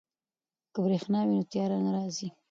که بریښنا وي نو تیاره نه راځي.